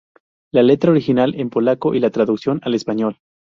La letra original en polaco y la traducción al español.